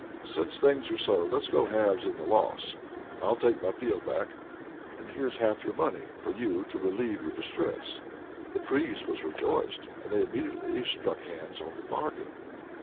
Since things are so, let's go halves in the loss. I'll take my field back, and here's half of your money for you to relieve your distress." The Priest was rejoiced, and they immediately struck hands on the bargain.